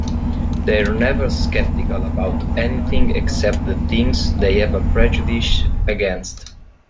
They're never skeptical about anything except the things they have a prejudice against.